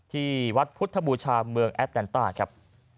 ที่วัดพุทธบูชาเมืองแอดแนนต้าครับ